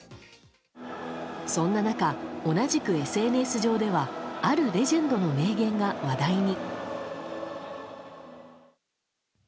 そんな中、同じくＳＮＳ上ではあるレジェンドの名言が話題に。